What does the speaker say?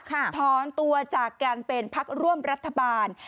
ถอนตัวจากการเป็นพักร่วมรัฐบาล